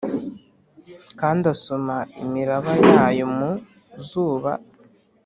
kandi asoma imiraba yayo mu zuba,